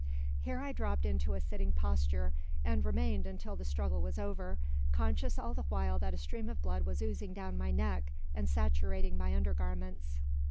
Here I dropped into a sitting posture, and remained till the struggle was over, conscious all the while that a stream of blood was oozing down my back, and saturating my undergarments.